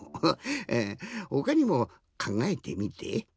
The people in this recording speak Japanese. えほかにもかんがえてみて。